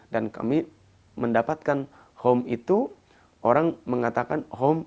dan kami mendapatkan hong itu orang mengatakan